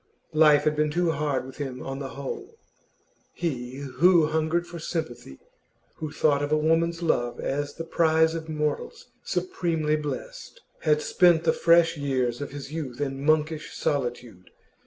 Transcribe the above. Life had been too hard with him on the whole. He, who hungered for sympathy, who thought of a woman's love as the prize of mortals supremely blessed, had spent the fresh years of his youth in monkish solitude.